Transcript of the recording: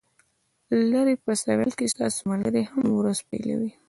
لرې په سویل کې ستاسو ملګري هم ورځ پیلوي